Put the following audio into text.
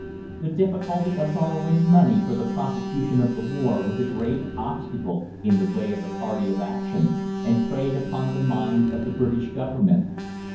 The difficulty of borrowing money for the prosecution of the war was a grave obstacle in the way of the party of action, and preyed upon the mind of the British Government.